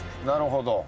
なるほど。